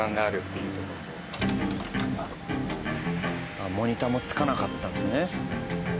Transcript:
あっモニターもつかなかったんですね。